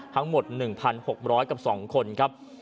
ทั้งหมด๑๖๐๐กับ๒คนครับ